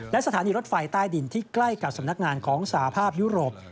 และสถานีรถไฟใต้ดินที่ใกล้กับสำนักงานของสาภาพยุโรป